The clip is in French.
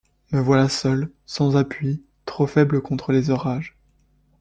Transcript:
Me voilà seule, sans appui, trop faible contre les orages.